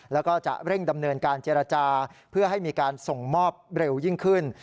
แล้วก็จะเร่งดำเนินการเจรจาเพื่อให้มีการส่งมอบเร็วยิ่งขึ้น